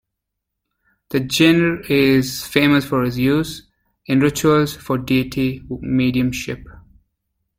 The genre is famous for its use in rituals for deity mediumship.